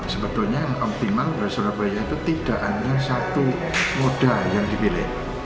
sebetulnya yang optimal bahwa surabaya itu tidak hanya satu moda yang dipilih